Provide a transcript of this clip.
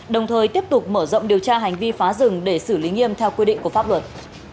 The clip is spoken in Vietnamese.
đồng thời tiếp tục mở rộng điều tra hành vi phá rừng để xử lý nghiêm theo quy định của pháp luật